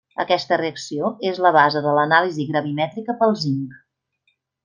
Aquesta reacció és la base de l'anàlisi gravimètrica pel zinc.